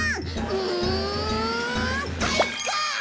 うんかいか！